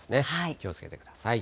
気をつけてください。